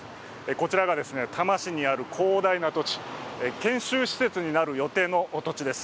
こちらがですね、多摩市にある広大な土地、研修施設になる予定の土地です。